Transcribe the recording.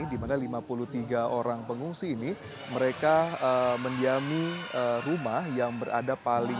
di mana lima puluh tiga orang pengungsi ini mereka mendiami rumah yang berada paling